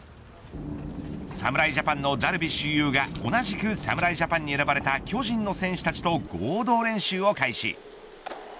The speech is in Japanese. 侍ジャパンのダルビッシュ有が同じく侍ジャパンに選ばれた巨人の選手たちと合同練習を開始。